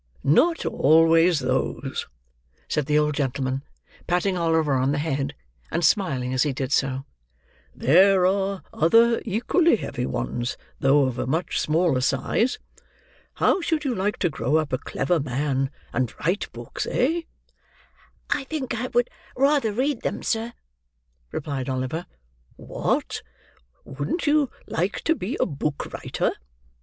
"Not always those," said the old gentleman, patting Oliver on the head, and smiling as he did so; "there are other equally heavy ones, though of a much smaller size. How should you like to grow up a clever man, and write books, eh?" "I think I would rather read them, sir," replied Oliver. "What! wouldn't you like to be a book writer?"